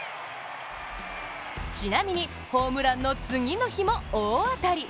ちなみにホームランの次の日も大当たり。